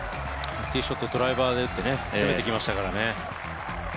ティーショット、ドライバーで打って攻めてきましたからね。